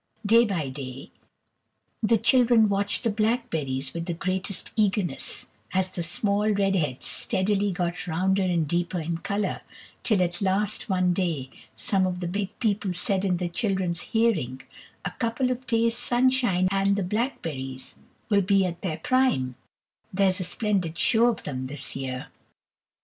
Day by day the children watched the blackberries with the greatest eagerness, as the small red heads steadily got rounder and deeper in colour, till at last one day some of the big people said in the children's hearing, "a couple of days' sunshine and the blackberries will be at their prime; there's a splendid show of them this year."